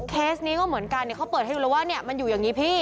เคสนี้ก็เหมือนกันเขาเปิดให้ดูแล้วว่าเนี่ยมันอยู่อย่างนี้พี่